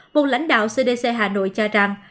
một lãnh đạo cdc hà nội cho rằng